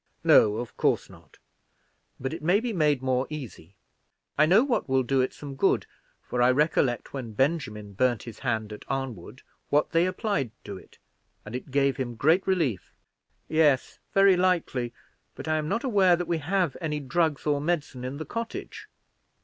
"No, of course not, but it may be made more easy. I know what will do it some good; for I recollect, when Benjamin burned his hand at Arnwood, what they applied to it, and it gave him great relief." "Yes, very likely; but I am not aware that we have any drugs or medicine in the cottage.